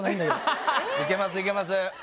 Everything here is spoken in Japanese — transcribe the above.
いけますいけます